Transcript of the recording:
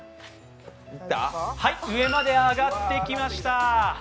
上まで上がってきました。